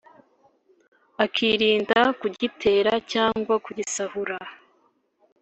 akirinda kugitera cyangwa kugisahura.